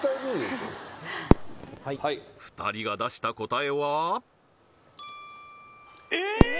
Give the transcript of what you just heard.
２人が出した答えは？